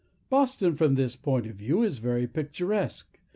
Boston, from this point of view, is very picturesque.